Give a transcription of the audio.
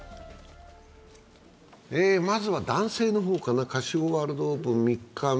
まずは男性の方かな、カシオワールドオープン３日目。